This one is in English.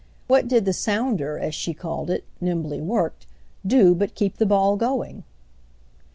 What did the sounder, as she called it, nimbly worked, do but keep the ball going?